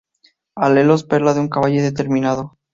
Alelos perla en un caballo determinado.